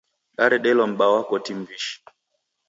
Daredelo m'baa wa koti m'wishi.